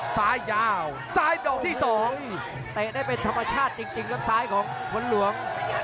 ซ้ายยาวซ้ายดอกที่๒เตะได้เป็นธรรมชาติจริงครับซ้ายของผลหลวง